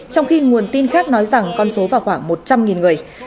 trong khi nguồn tin khác nói rằng con số vào khoảng một trăm linh người